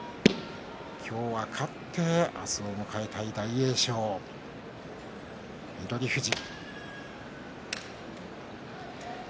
今日は勝って明日を迎えたい大栄翔、翠富士。